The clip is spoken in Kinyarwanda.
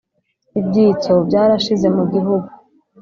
Ibyitso byarashize mugihugu.